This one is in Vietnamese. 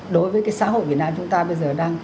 đối với cái xã hội việt nam chúng ta bây giờ đang